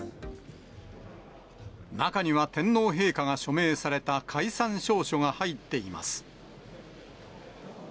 中には天皇陛下が署名された解散詔書が入っています。